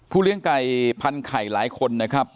เลี้ยงไก่พันไข่หลายคนนะครับ